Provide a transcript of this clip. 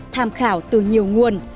tham khảo từ nhiều nguồn